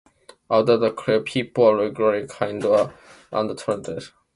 After the coup, people are regularly kidnapped and tortured.